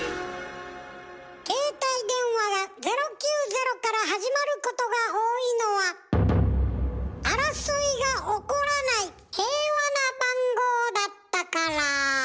携帯電話が０９０から始まることが多いのは争いが起こらない平和な番号だったから。